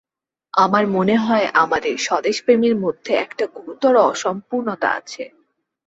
আমার মনে হয় আমাদের স্বদেশপ্রেমের মধ্যে একটা গুরুতর অসম্পূর্ণতা আছে।